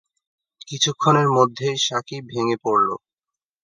কিছুক্ষণের মধ্যেই সাকিব ভেঙে পড়ল।